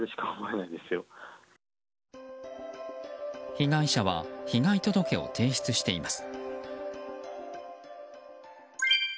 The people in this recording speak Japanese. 被害者は被害届を提出しています。